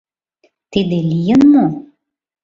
Тиде лийын мо?